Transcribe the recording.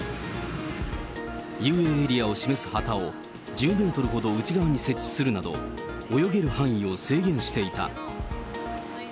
遊泳エリアを示す旗を１０メートルほど内側に設置するなど、泳げる範囲を制限していた。